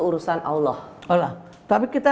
urusan allah tapi kita